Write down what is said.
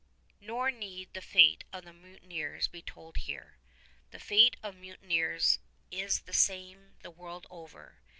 Nor need the fate of the mutineers be told here. The fate of mutineers is the same the world over.